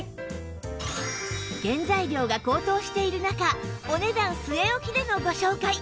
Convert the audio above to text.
原材料が高騰している中お値段据え置きでのご紹介！